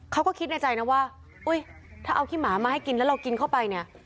เขาก็คิดในใจนะว่าอุ๊ยถ้าเอาขี้หมามาให้กินแล้วเรากินเข้าไปเนี่ย